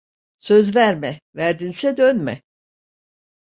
Söz verme, verdinse dönme.